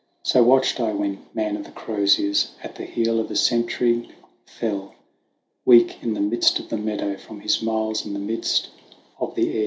So watched I when, man of the croziers, at the heel of a century fell, Weak, in the midst of the meadow, from his miles in the midst of the air.